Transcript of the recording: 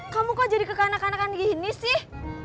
kamu kok jadi kekanakan akan gini sih